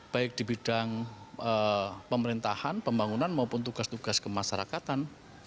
baik di bidang pemerintahan pembangunan maupun tugas tugas kemasyarakatan